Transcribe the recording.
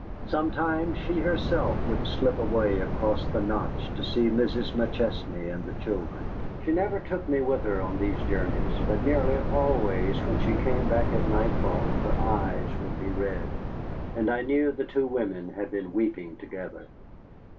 Sometimes she herself would slip away across the notch to see Mrs. McChesney and the children. She never took me with her on these journeys, but nearly always when she came back at nightfall her eyes would be red, and I knew the two women had been weeping together.